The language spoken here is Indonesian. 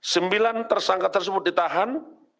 sembilan tersangka tersebut ditahan